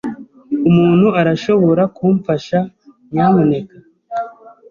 Umuntu arashobora kumfasha, nyamuneka?